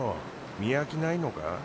見飽きないのか？